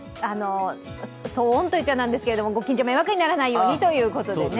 騒音といってはなんですけど御近所迷惑にならないようにということでね。